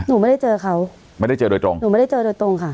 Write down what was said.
หนูไม่ได้เจอเขาไม่ได้เจอโดยตรงหนูไม่ได้เจอโดยตรงค่ะ